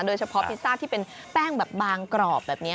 พิซซ่าที่เป็นแป้งแบบบางกรอบแบบนี้